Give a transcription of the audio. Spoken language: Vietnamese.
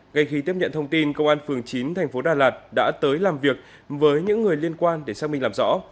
ngay khi tiếp nhận thông tin công an phường chín thành phố đà lạt đã tới làm việc với những người liên quan để xác minh làm rõ